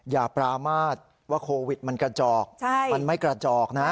อย่าปรามาทว่าโควิดมันกระจอกมันไม่กระจอกนะ